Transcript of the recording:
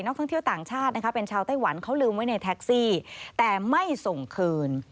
ท่องเที่ยวต่างชาตินะคะเป็นชาวไต้หวันเขาลืมไว้ในแท็กซี่แต่ไม่ส่งคืน